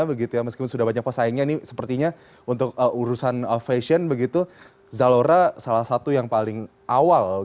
meskipun sudah banyak pesaingnya ini sepertinya untuk urusan fashion begitu zalora salah satu yang paling awal